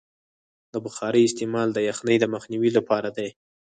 د بخارۍ استعمال د یخنۍ د مخنیوي لپاره دی.